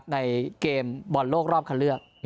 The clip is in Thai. ในเกมบอลโลกรอบคันเลือก